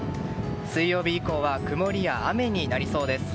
水曜日以降は曇りや雨になりそうです。